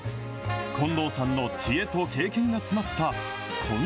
近藤さんの知恵と経験が詰まったこん